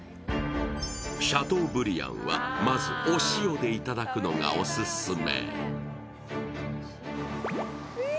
シャトーブリアンは、まずお塩でいただくのがオススメ。